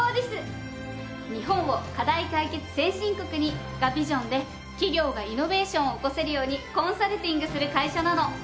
「日本を、課題解決先進国に。」がビジョンで企業がイノベーションを起こせるようにコンサルティングする会社なの。